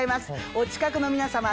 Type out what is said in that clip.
お近くの皆さま